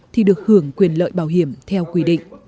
thì được hưởng quyền lợi bảo hiểm theo quy định